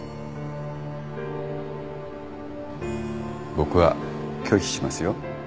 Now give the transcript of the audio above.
僕は拒否しますよ。